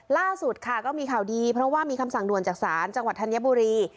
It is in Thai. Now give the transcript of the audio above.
ล่าสุดค่ะก็มีข่าวดีเพราะว่ามีคำสั่งด่วนจากศาลจังหวัดธัญบุรี